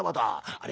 あれ？